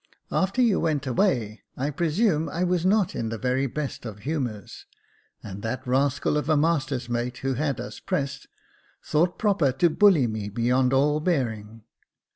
After you went away, I presume I was not in the very best of humours ; and that rascal of a master's mate who had us pressed, thought proper to bully me beyond all bearing.